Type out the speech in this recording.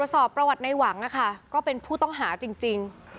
สอบประวัติในหวังนะคะก็เป็นผู้ต้องหาจริง